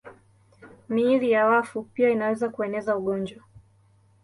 Miili ya wafu pia inaweza kueneza ugonjwa.